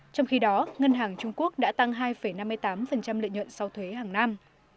trong khi đó ngân hàng trung quốc đã tăng hai năm mươi tám lợi nhuận sau thuế hàng năm